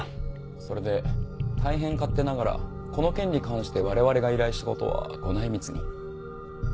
それで大変勝手ながらこの件に関してわれわれが依頼したことはご内密に。